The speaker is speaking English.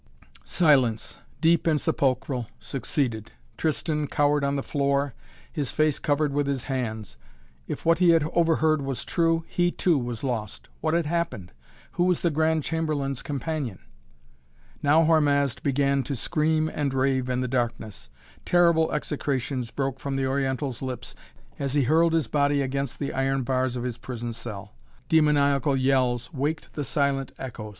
Silence, deep and sepulchral, succeeded. Tristan cowered on the floor, his face covered with his hands. If what he had overheard was true, he, too, was lost. What had happened? Who was the Grand Chamberlain's companion? Now Hormazd began to scream and rave in the darkness. Terrible execrations broke from the Oriental's lips, as he hurled his body against the iron bars of his prison cell. Demoniacal yells waked the silent echoes.